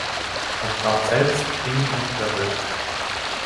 Das Grab selbst eng und überwölbt.